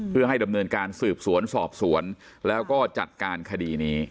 เพื่อให้ดำเนินการสืบสวนสอบสวนแล้วก็จัดการคดีนี้